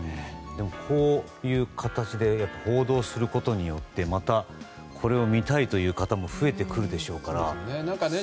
でも、こういう形で報道することによってまた、これを見たいという方も増えてくるでしょうからね。